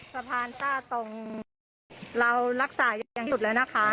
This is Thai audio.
สะพานต้าต้องเรารักษายังหยุดแล้วนะคะ